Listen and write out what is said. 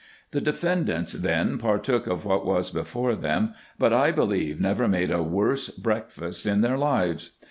The defendants then partook of what was before them ; but I believe never made a worse breakfast in their lives.